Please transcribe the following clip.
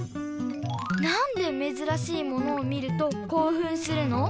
なんでめずらしいものを見るとこうふんするの？